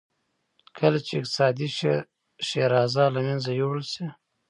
کله چې اقتصادي شیرازه له منځه یووړل شوه.